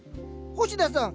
星田さん！